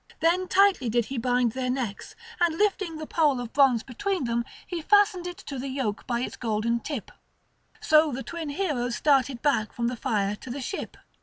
Then tightly did he bind their necks; and lifting the pole of bronze between them, he fastened it to the yoke by its golden tip. So the twin heroes started back from the fire to the ship.